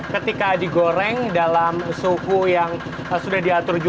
ketika digoreng dalam suhu yang sepakat